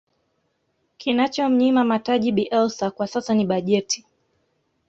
kinachomnyima mataji bielsa kwa sasa ni bajeti